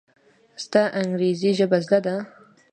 ستا انګرېزي ژبه زده ده!